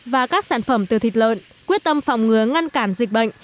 và các sản phẩm từ thịt lợn quyết tâm phòng ngừa ngăn cản dịch bệnh